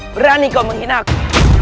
berani kau menghina aku